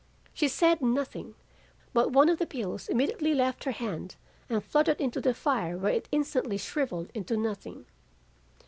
She said nothing, but one of the bills immediately left her hand and fluttered into the fire where it instantly shrivelled into nothing.